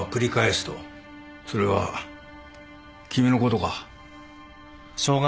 それは君のことか？